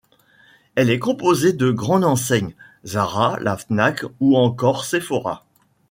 Elle est composée de grandes enseignes: Zara, la Fnac ou encore Sephora.